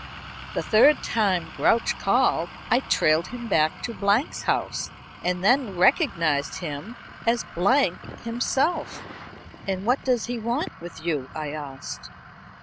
The third time Grouch called I trailed him to Blank's house, and then recognized him as Blank himself." "And what does he want with you?" I asked.